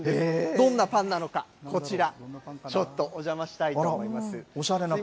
どんなパンなのか、こちら、ちょっとお邪魔したいと思います。